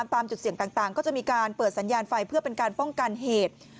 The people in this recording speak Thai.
ตามจุดเสี่ยงต่างก็จะมีการเปิดสัญญาณไฟเพื่อเป็นการป้องกันเหตุ